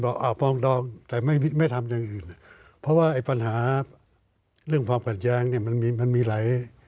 จะเป็นปลองดองแต่ไม่ทำอย่างอื่นเพราะว่าปัญหาเรื่องความขัดย้างมันมีไหล